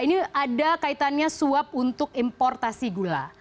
kita kaitannya suap untuk importasi gula